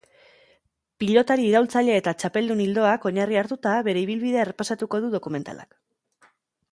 Pilotari iraultzaile eta txapeldun ildoak oinarri hartuta, bere ibilbidea errepasatuko du dokumentalak.